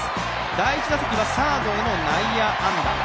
第１打席はサードへの内野安打。